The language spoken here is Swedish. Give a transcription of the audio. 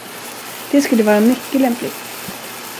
Det skulle vara mycket lämpligt.